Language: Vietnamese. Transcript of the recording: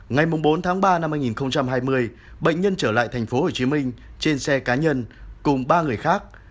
ngày bốn tháng ba năm hai nghìn hai mươi bệnh nhân trở lại tp hcm trên xe cá nhân cùng ba người khác